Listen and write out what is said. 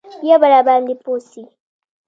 بيا به راباندې پوه سي.